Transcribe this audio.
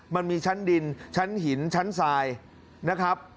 มันมีชั้นดินชั้นหินชั้นทรายนะครับ